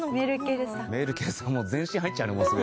メルケルさんもう全身入っちゃうね。